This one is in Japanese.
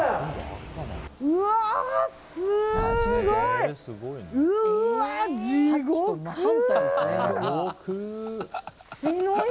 うわ、すごい！